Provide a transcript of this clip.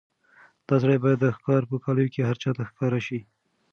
دا سړی باید د ښکار په کالیو کې هر چا ته ښکاره شي.